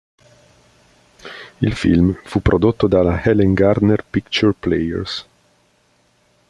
Il film fu prodotto dalla Helen Gardner Picture Players.